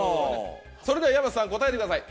それでは山瀬さん答えてください。